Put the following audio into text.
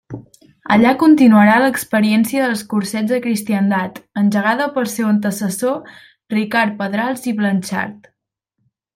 Allà continuarà l'experiència dels Cursets de Cristiandat engegada pel seu antecessor Ricard Pedrals i Blanxart.